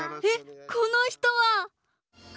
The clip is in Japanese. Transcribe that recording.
えっこのひとは！